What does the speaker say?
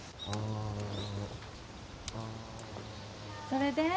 それで？